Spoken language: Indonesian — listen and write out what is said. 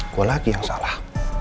gue lagi yang salah